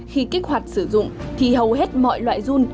khi kích hoạt sử dụng thì hầu hết mọi loại dung